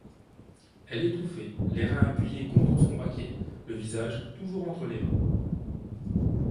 Elle étouffait, les reins appuyés contre son baquet, le visage toujours entre les mains.